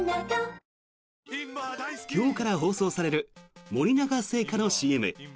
今日から放送される森永製菓のＣＭ。